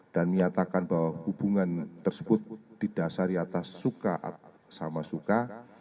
dan menyatakan bahwa hubungan tersebut didasari atas suka sama suka